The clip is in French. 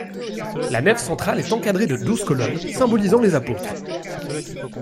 La nef centrale est encadrée de douze colonnes, symbolisant les apôtres.